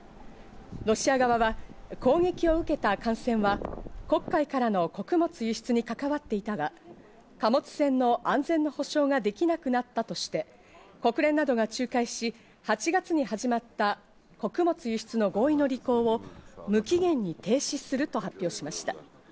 ロシア側は攻撃を受けた艦船は黒海からの穀物輸出に関わっていたが、貨物船の安全の保障ができなくなったとして、国連などが仲介し、８月に始まった穀物輸出の合意の履行を無期限に停止すると発表しました。